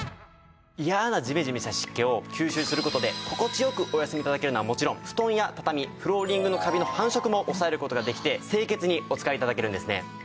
いやなジメジメした湿気を吸収する事で心地よくお休み頂けるのはもちろん布団や畳フローリングのカビの繁殖も抑える事ができて清潔にお使い頂けるんですね。